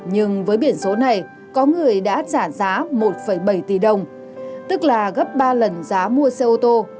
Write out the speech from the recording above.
nhưng với biển số này có người đã trả giá một bảy tỷ đồng tức là gấp ba lần giá mua xe ô tô